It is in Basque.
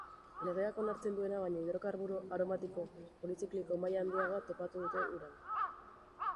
Legeak onartzen duena baino hidrokarburo aromatiko polizikliko maila handiagoa topatu dute uran.